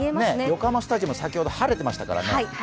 横浜スタジアム、先ほど晴れていましたからね。